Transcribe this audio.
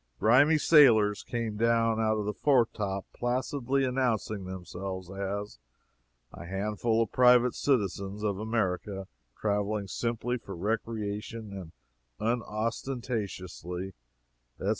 Grimy sailors came down out of the foretop placidly announcing themselves as "a handful of private citizens of America, traveling simply for recreation and unostentatiously," etc.